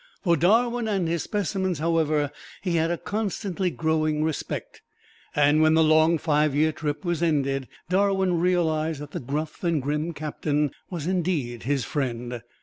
For Darwin and his specimens, however, he had a constantly growing respect, and when the long five year trip was ended, Darwin realized that the gruff and grim Captain was indeed his friend.